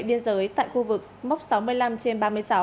biên giới tại khu vực mốc sáu mươi năm trên ba mươi sáu